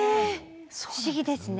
不思議ですね。